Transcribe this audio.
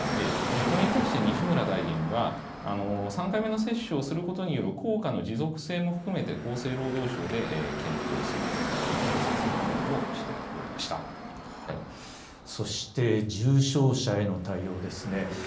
これに対して、西村大臣は、３回目の接種をすることによる効果の持続性も含めて厚生労働省でそして、重症者への対応ですね。